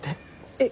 えっ？